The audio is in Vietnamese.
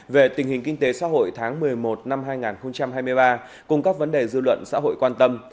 về tình hình kinh tế xã hội tháng một mươi một năm hai nghìn hai mươi ba cùng các vấn đề dư luận xã hội quan tâm